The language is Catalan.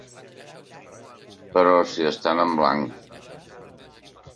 Però si estan en blanc...